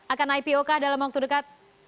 akan ipo kah dalam waktu dekat